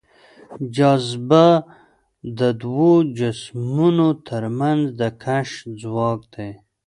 جاذبه د دوو جسمونو تر منځ د کشش ځواک دی.